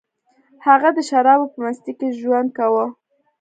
هغه د شرابو په مستۍ کې ژوند کاوه